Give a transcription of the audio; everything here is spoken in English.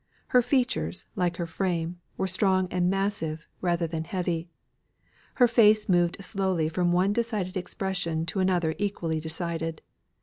Her features, like her frame, were strong and massive, rather than heavy. Her face moved slowly from one decided expression to another equally decided.